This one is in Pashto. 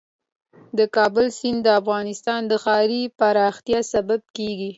د کابل سیند د افغانستان د ښاري پراختیا سبب کېږي.